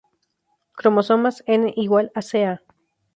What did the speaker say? Cromosomas n= ca.